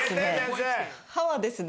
歯はですね